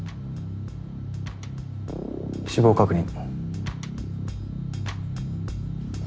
死亡確認。